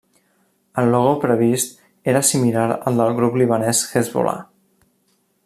El logo previst era similar al del grup libanès Hezbollah.